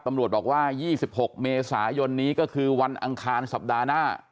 ตำรวจบอกว่า๒๖เมษายนนี้ก็คือวันอังคารสัปดาห์หน้า